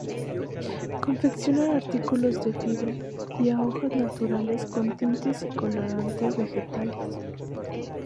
Confeccionan artículos de fibra y hojas naturales con tintes y colorantes vegetales.